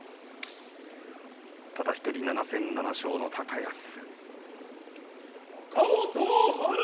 ただ１人７戦７勝の高安。